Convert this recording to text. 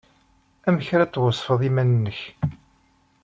Amek ara d-tweṣfeḍ iman-nnek?